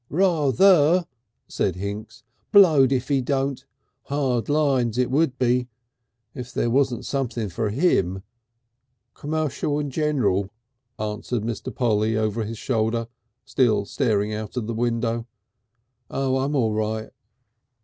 "Ra ther," said Hinks. "Blowed if he don't. Hard lines it would be if there wasn't something for him." "Commercial and General," answered Mr. Polly over his shoulder, still staring out of the window. "Oh! I'm all right."